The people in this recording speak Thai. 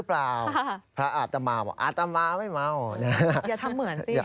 อย่าทำเหมือนสิ